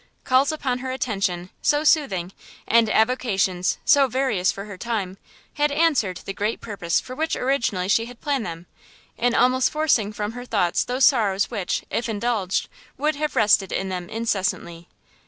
Calls upon her attention so soothing, and avocations so various for her time, had answered the great purpose for which originally she had planned them, in almost forcing from her thoughts those sorrows which, if indulged, would have rested in them incessantly.